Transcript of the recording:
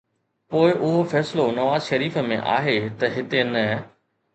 پوءِ اهو فيصلو نواز شريف ۾ آهي ته هتي نه.